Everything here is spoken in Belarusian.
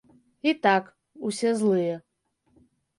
І так, усе злыя.